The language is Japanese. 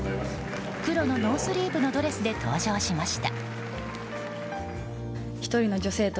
黒のノースリーブのドレスで登場しました。